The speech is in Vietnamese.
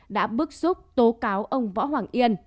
đã bức xúc tố cáo ông võ hoàng yên